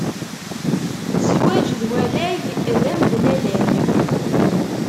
Zzwaǧ n walag d amedlalag.